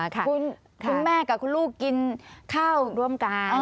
คุณแม่กับคุณลูกกินข้าวร่วมกัน